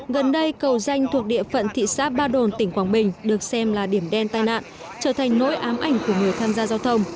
gần đây cầu danh thuộc địa phận thị xã ba đồn tỉnh quảng bình được xem là điểm đen tai nạn trở thành nỗi ám ảnh của người tham gia giao thông